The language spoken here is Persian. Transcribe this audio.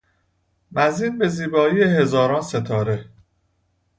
مزین به زیبایی هزاران ستاره